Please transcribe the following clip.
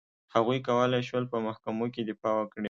هغوی کولای شول په محکمو کې دفاع وکړي.